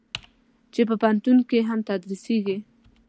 چې په پوهنتون کې هم تدریسېږي.